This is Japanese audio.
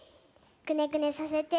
くねくねさせて。